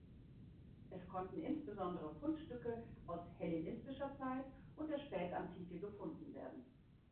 Es konnten insbesondere Fundstücke aus hellenistischer Zeit und der Spätantike gefunden werden.